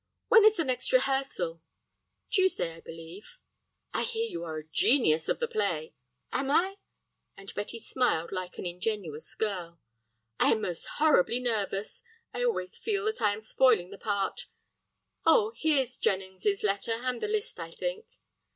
"When is the next rehearsal?" "Tuesday, I believe." "I hear you are the genius of the play." "Am I?" and Betty smiled like an ingenuous girl. "I am most horribly nervous. I always feel that I am spoiling the part. Oh, here's Jennings's letter, and the list, I think."